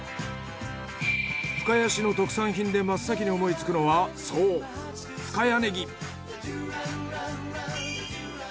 深谷市の特産品で真っ先に思いつくのはそう深谷ネギ。